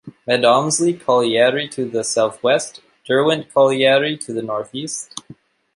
Medomsley Colliery to the south west; Derwent Colliery to the north east.